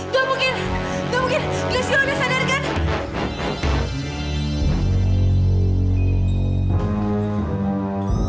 gak mungkin gak mungkin glesio udah sadar kan